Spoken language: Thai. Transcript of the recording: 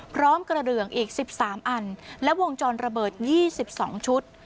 พร้อมกระเดืองอีก๑๓อันและวงจรระเบิด๒๒ชุด